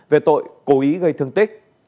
về tội cố ý gây thương tích